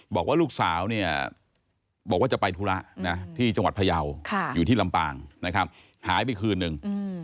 บอกว่าลูกสาวจะไปธุระที่จังหวัดพยาวอยู่ที่ลำปางหายไปคืนหนึ่ง